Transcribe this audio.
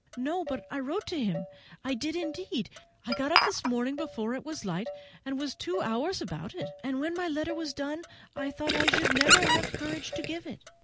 "No, but I wrote to him—I did indeed, I got up this morning before it was light, and was two hours about it; and when my letter was done I thought I never should have courage to give it.